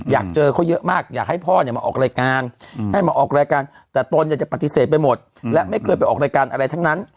อยากเจอเขาเยอะมากอยากให้พ่อเนี่ยมาออกรายการให้มาออกรายการแต่ตนเนี่ยจะปฏิเสธไปหมดและไม่เคยไปออกรายการอะไรทั้งนั้น